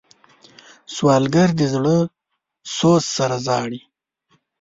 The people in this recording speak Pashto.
سوالګر د زړه سوز سره ژاړي